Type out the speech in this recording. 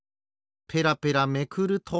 ペラペラめくると。